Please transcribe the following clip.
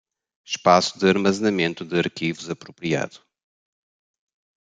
Espaço de armazenamento de arquivos apropriado